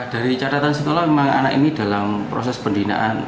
dari catatan sekolah memang anak ini dalam proses pembinaan